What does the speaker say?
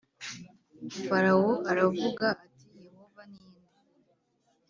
Farawo aravuga ati Yehova ni nde